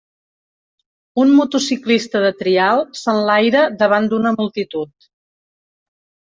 Un motociclista de trial s'enlaira davant d'una multitud